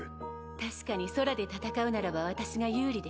確かに空で戦うならば私が有利でしょう。